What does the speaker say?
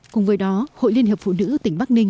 cùng với đó hội liên hiệp phụ nữ tỉnh bắc ninh